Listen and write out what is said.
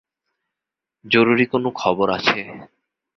জরুরি কোনো খবর আছে।